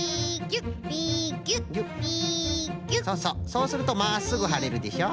そうするとまっすぐはれるでしょ。